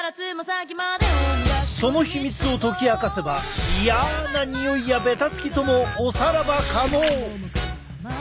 その秘密を解き明かせばイヤなにおいやベタつきともおさらば可能！